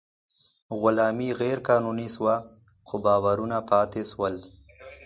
غلامي غیر قانوني شوه، خو باورونه پاتې شول.